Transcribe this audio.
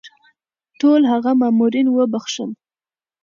ټول هغه مامورین وبخښل.